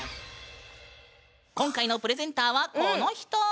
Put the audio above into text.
今回のプレゼンターはこの人！